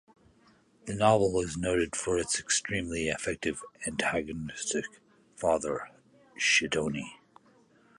The novel is noted for its extremely effective antagonist, Father Schedoni.